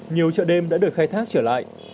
nhiều chợ đêm đã được khai thác trở lại